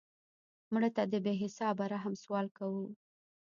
مړه ته د بې حسابه رحم سوال کوو